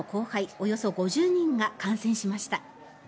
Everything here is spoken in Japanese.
およそ５０人が観戦しました。